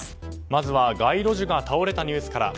まずは街路樹が倒れたニュースから。